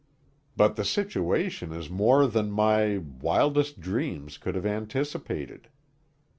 "But the situation is more than my wildest dreams could have anticipated."